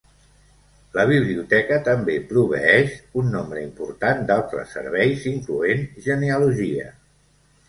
La biblioteca també proveeix un nombre important d'altres serveis incloent genealogia.